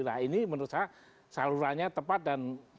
nah ini menurut saya salurannya tepat dan